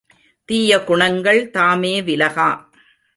தீய குணங்கள் தாமே விலகா.